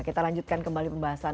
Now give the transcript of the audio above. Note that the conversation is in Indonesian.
kita lanjutkan kembali pembahasan